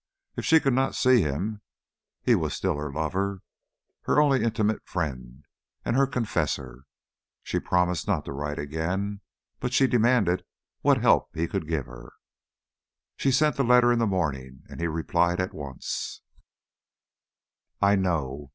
If she could not see him, he was still her lover, her only intimate friend, and her confessor. She promised not to write again, but she demanded what help he could give her. She sent the letter in the morning, and he replied at once: I know.